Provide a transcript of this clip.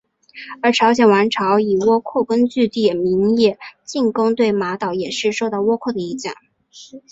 而朝鲜王朝以倭寇根据地名义进攻对马岛也是受到倭寇的影响。